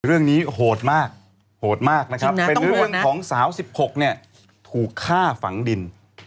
เรื่องนี้โหดมากเป็นเรื่องของสาว๑๖ถูกฆ่าฝั่งดิน